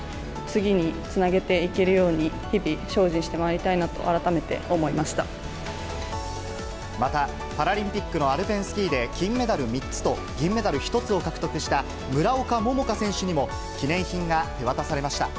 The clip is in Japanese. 次につなげていけるように日々、精進してまいりたいなと、また、パラリンピックのアルペンスキーで金メダル３つと銀メダル１つを獲得した村岡桃佳選手にも、記念品が手渡されました。